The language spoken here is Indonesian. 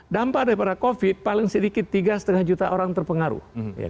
dampak daripada covid paling sedikit tiga lima juta orang terpengaruh